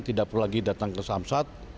tidak perlu lagi datang ke samsat